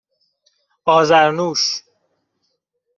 آذرنوش